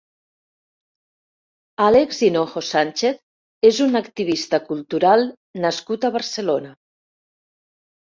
Àlex Hinojo Sánchez és un activista cultural nascut a Barcelona.